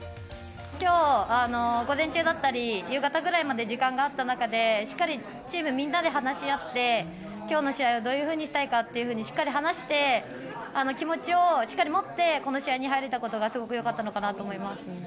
今日、午前中だったり夕方ぐらいまで時間があった中でしっかりチームみんなで話し合って今日の試合をどういうふうにしたいかというのをしっかり話して気持ちをしっかり持ってこの試合に入れたことがすごく良かったのかなと思います。